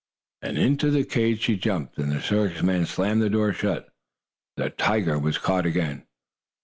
Into the cage she jumped, and the circus men slammed the door shut. The tiger was caught again.